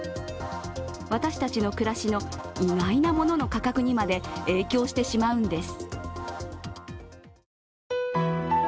私たちの暮らしの意外なものの価格にまで影響してしまうんです。